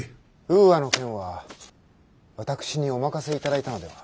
「ウーアの件は私にお任せいただいたのでは？」。